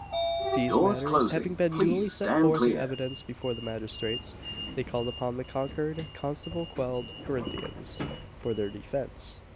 These matters having been duly set forth in evidence before the magistrates, they called upon the conquered constable quelled Corinthians for their defence.